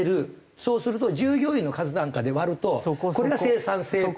そうすると従業員の数なんかで割るとこれが生産性と。